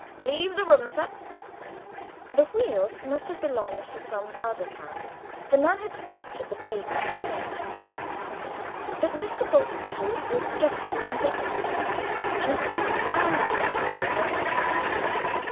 Leave the room, sir!" The wheels must have belonged to some other cab, for none had stopped at the pavement as yet; but Mr. Bultitude was justly indignant, and could stand the interview no longer.